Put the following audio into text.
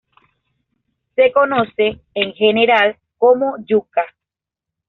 Se conoce, en general, como yuca.